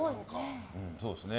そうですね。